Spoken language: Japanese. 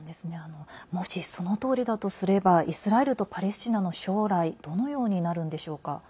もしそのとおりだとすればイスラエルとパレスチナの将来どのようになるのでしょうか。